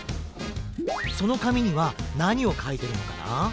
そのかみにはなにをかいてるのかな？